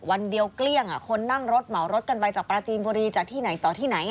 วันเดียวเกลี้ยงคนนั่งรถเหมารถกันไปจากปราจีนบุรีจากที่ไหนต่อที่ไหน